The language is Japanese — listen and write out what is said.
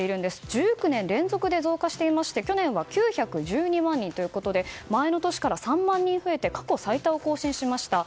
１９年連続で増加していまして去年は９１２万人ということで前の年から３万人増えて過去最多を更新しました。